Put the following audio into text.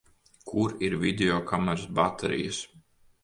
Kur ir videokameras baterijas?